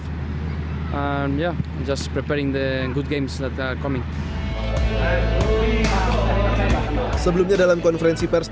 dan ya saya sedang menyiapkan permainan yang baik yang akan datang